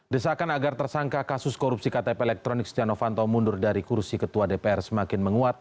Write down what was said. desakan agar tersangka kasus korupsi ktp elektronik stiano fanto mundur dari kursi ketua dpr semakin menguat